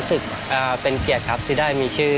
นอกจากนักเตะรุ่นใหม่จะเข้ามาเป็นตัวขับเคลื่อนทีมชาติไทยชุดนี้แล้ว